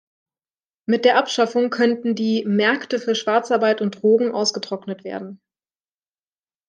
Mit der Abschaffung könnten die „Märkte für Schwarzarbeit und Drogen ausgetrocknet werden“.